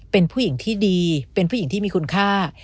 เป็นผู้หญิงที่ดีเป็นผู้หญิงที่มีคุณค่า